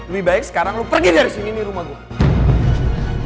lebih baik sekarang lo pergi dari sini nih rumah gue